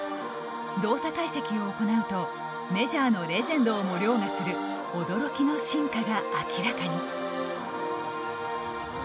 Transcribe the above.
動作解析を行うとメジャーのレジェンドをもりょうがする驚きの進化が明らかに。